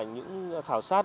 những khảo sát